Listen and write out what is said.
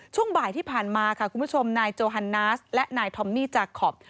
ช่วงบ่ายที่ผ่านมาค่ะคุณผู้ชมนายโจฮันนาสและนายทอมมี่จากคอป